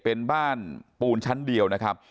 เป็นบ้านปูนชั้นเดียวนะครับ